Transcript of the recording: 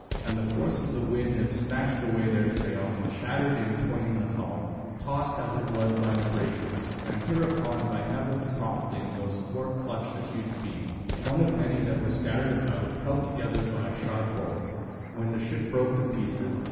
And the force of the wind had snatched away their sails and shattered in twain the hull, tossed as it was by the breakers. And hereupon by heaven's prompting those four clutched a huge beam, one of many that were scattered about, held together by sharp bolts, when the ship broke to pieces.